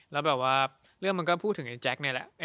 แล้วแบบว่าเรื่องมันก็พูดถึงไอ้แจ๊คนี่แหละ